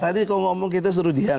tadi kalau ngomong kita suruh diam